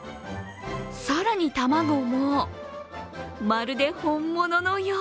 更に卵も、まるで本物のよう。